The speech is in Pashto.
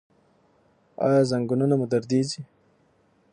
ایا زنګونونه مو دردیږي؟